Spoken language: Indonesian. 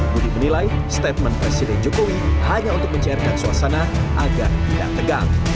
budi menilai statement presiden jokowi hanya untuk mencairkan suasana agar tidak tegang